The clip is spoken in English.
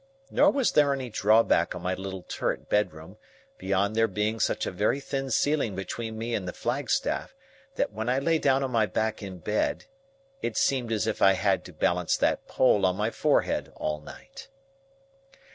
Nor was there any drawback on my little turret bedroom, beyond there being such a very thin ceiling between me and the flagstaff, that when I lay down on my back in bed, it seemed as if I had to balance that pole on my forehead all night.